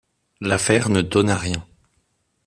L'affaire ne donna rien.